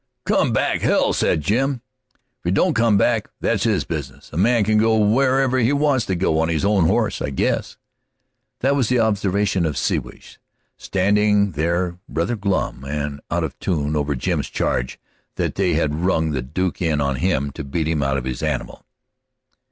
"Come back hell!" said Jim. "If he don't come back, that's his business. A man can go wherever he wants to go on his own horse, I guess." That was the observation of Siwash, standing there rather glum and out of tune over Jim's charge that they had rung the Duke in on him to beat him out of his animal.